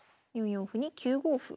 ４四歩に９五歩。